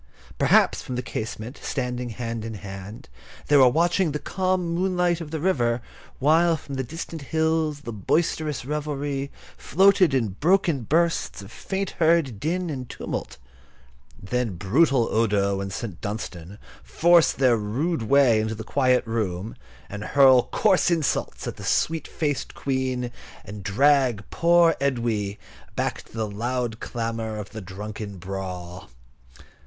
Perhaps, from the casement, standing hand in hand, they were watching the calm moonlight on the river, while from the distant halls the boisterous revelry floated in broken bursts of faint heard din and tumult. Then brutal Odo and St. Dunstan force their rude way into the quiet room, and hurl coarse insults at the sweet faced Queen, and drag poor Edwy back to the loud clamour of the drunken brawl.